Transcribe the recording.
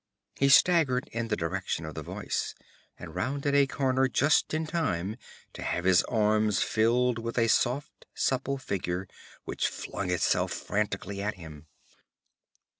_' He staggered in the direction of the voice, and rounded a corner just in time to have his arms filled with a soft, supple figure which flung itself frantically at him.